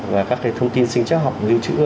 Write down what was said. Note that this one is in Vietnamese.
và các cái thông tin sinh chất học lưu trữ